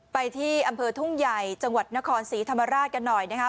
ไปที่อำเภอทุ่งใหญ่จังหวัดนครศรีธรรมราชกันหน่อยนะคะ